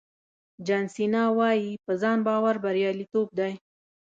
جان سینا وایي په ځان باور بریالیتوب دی.